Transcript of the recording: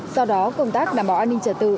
sau đó công tác đảm bảo an ninh trở tự